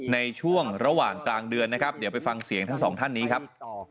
ในช่วงระหว่างกลางเดือนนะครับเดี๋ยวไปฟังเสียงทั้งสองท่านนี้ครับ